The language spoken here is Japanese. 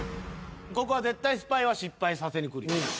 ここは絶対スパイは失敗させにくるよ。